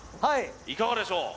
いかがでしょう？